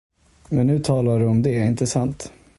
Men nu talar du om det, inte sant.